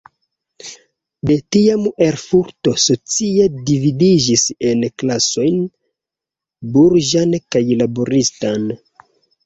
De tiam Erfurto socie dividiĝis en klasojn burĝan kaj laboristan.